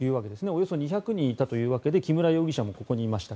およそ２００人いたというわけで木村容疑者もここにいました。